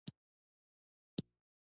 هر کور باید غالۍ ولري.